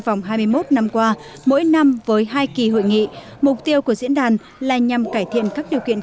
vòng hai mươi một năm qua mỗi năm với hai kỳ hội nghị mục tiêu của diễn đàn là nhằm cải thiện các điều kiện